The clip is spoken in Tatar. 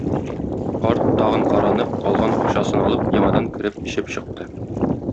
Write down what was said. Карт, тагын каранып, калган акчасын алып, яңадан кереп эчеп чыкты.